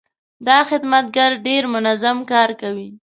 دا خدمتګر ډېر منظم کار کوي.